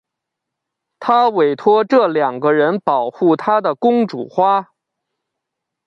她委托这两个人保护她的公主花。